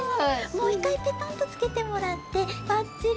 もういっかいペタンとつけてもらってバッチリ！